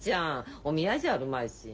お見合いじゃあるまいし。